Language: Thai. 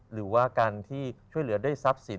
หรือว่าการที่ช่วยเหลือด้วยทรัพย์สิน